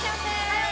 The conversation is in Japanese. はい！